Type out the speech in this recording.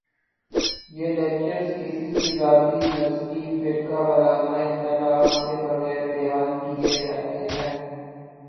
یہ لیکچرز کسی بھی ذاتی ، نسلی ، فرقہ ورانہ اختلاف کے بغیر بیان کیے جاتے ہیں